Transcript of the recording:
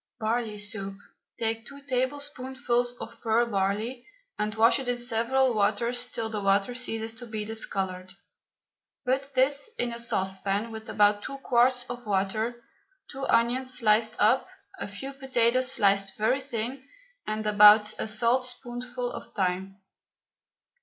BARLEY SOUP. Take two tablespoonfuls of pearl barley and wash it in several waters till the water ceases to be discoloured. Put this in a saucepan with about two quarts of water, two onions sliced up, a few potatoes sliced very thin, and about a saltspoonful of thyme.